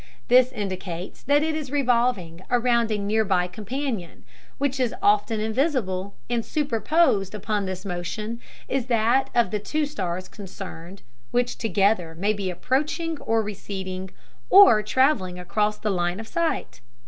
This indicates that it is revolving around a near by companion, which is often invisible, and superposed upon this motion is that of the two stars concerned, which together may be approaching or receding or traveling across the line of sight.